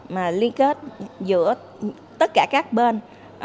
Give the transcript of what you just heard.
mà liên kết giữa tất cả các bên